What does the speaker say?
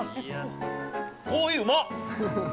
コーヒーうまっ！